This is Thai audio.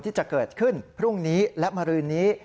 ที่จะเกิดขึ้นพรุ่งนี้และมารืนนี้